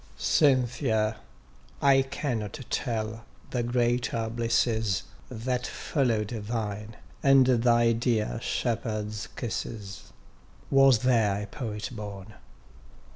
Cynthia! I cannot tell the greater blisses, That follow'd thine, and thy dear shepherd's kisses: Was there a Poet born?